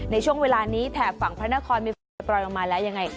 ในช่วงเวลานี้แถบฝั่งพระนครมีฝนปล่อยลงมาแล้วยังไง